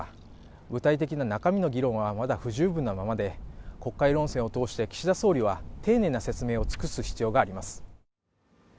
具体的な中身の議論はまだ不十分なままで、国会論戦を通して岸田総理は丁寧な説明を尽くす必要があります。